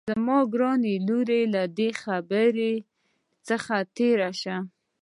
زما ګرانې لورې له دې خبرې څخه تېره شه